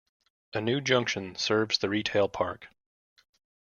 A new junction serves the retail park.